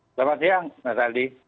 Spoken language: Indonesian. selamat siang mas aldi